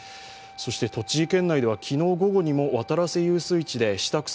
栃木県内では昨日午後にも渡良瀬遊水地で下草